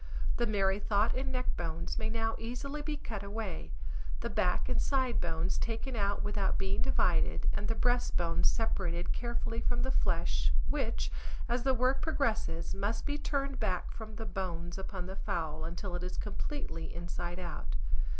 The merrythought and neck bones may now easily be cut away, the back and side bones taken out without being divided, and the breastbone separated carefully from the flesh (which, as the work progresses, must be turned back from the bones upon the fowl, until it is completely inside out).